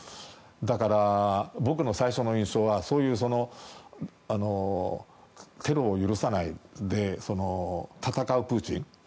だから、僕の最初の印象はそういう、テロを許さない戦うプーチン。